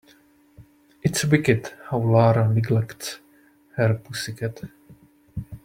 It's wicked how Lara neglects her pussy cat.